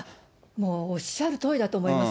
もうおっしゃるとおりだと思います。